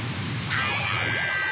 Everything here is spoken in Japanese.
あら！